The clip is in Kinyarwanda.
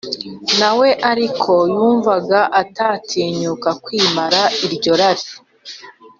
Nawe ariko yumvaga atatinyuka kwimara iryo rari